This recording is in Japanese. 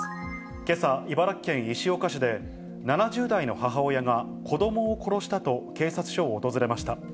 けさ、茨城県石岡市で、７０代の母親が子どもを殺したと警察署を訪れました。